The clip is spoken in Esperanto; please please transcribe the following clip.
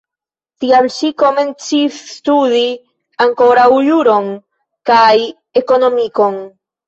Tial ŝi komencis studi ankoraŭ juron kaj ekonomikon.